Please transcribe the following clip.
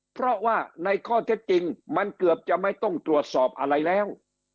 เพราะว่าในข้อเท็จจริงมันเกือบจะไม่ต้องตรวจสอบอะไรแล้ว